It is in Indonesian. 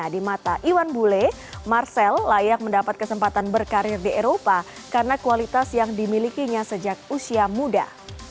di mata iwan bule marcel layak mendapat kesempatan berkarir di eropa karena kualitas yang dimilikinya sejak usia muda